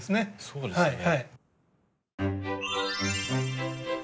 そうですよね。